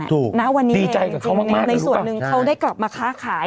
ถูกดีใจกับเขามากในส่วนหนึ่งเขาได้กลับมาค้าขาย